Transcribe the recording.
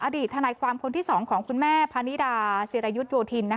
อดีตทนายความของคุณแม่พนิดาสิรายุทย์โยธิน